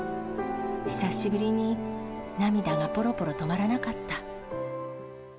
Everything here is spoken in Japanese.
久しぶりに涙がぽろぽろ止まらなかった。